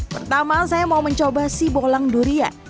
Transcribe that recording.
pertama saya mau mencoba sibolang durian